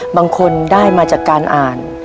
บางคนได้มาจากการอ่าน